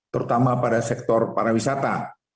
terutama pada sektor para wisata